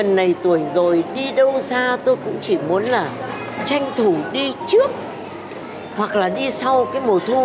này tuổi rồi đi đâu ra tôi cũng chỉ muốn là tranh thủ đi trước hoặc là đi sau cái mùa thu